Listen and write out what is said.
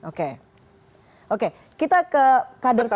oke oke kita ke kader partai